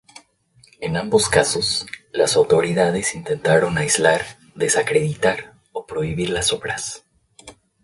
En ambos casos, las autoridades intentaron aislar, desacreditar o prohibir las obras.